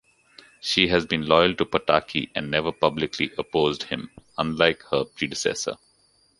She has been loyal to Pataki and never publicly opposed him, unlike her predecessor.